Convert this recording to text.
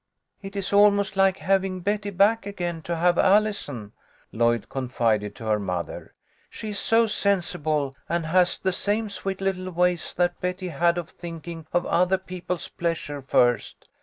" It is almost like having Betty back again to have Allison," Lloyd confided to her mother. " She is so sensible, and has the same sweet little ways that Betty had of thinking of other people's pleasure first.